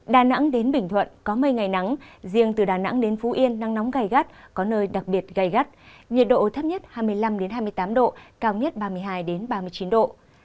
đà nẵng đến bình thuận có mây ngày nắng riêng từ đà nẵng đến phú yên nắng nóng gai gắt có nơi đặc biệt gai gắt nhiệt độ thấp nhất hai mươi năm hai mươi tám độ cao nhất ba mươi hai ba mươi chín độ